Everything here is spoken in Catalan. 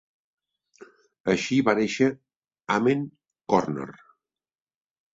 Així va néixer "Amen Corner".